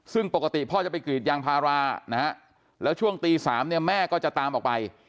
ซึ่งปกติพ่อจะไปกรีดยางพารานะฮะแล้วช่วงตี๓เนี่ยแม่ก็จะตามออกไป